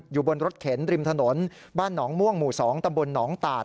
อยู่บนรถเข็นริมถนนบ้านหนองม่วงหมู่๒ตำบลหนองตาด